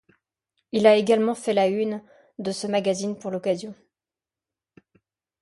Il a également fait la une de ce magazine pour l'occasion.